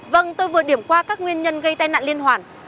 vâng tôi vừa điểm qua các nguyên nhân gây tai nạn liên hoàn